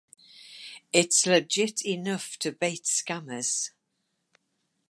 It's legit enough to bait scammers